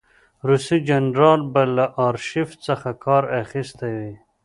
روسي جنرال به له آرشیف څخه کار اخیستی وي.